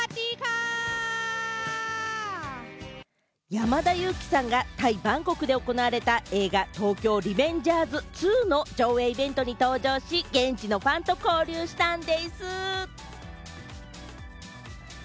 山田裕貴さんがタイ・バンコクで行われた映画『東京リベンジャーズ２』の上映イベントに登場し、現地のファンと交流したんでぃす。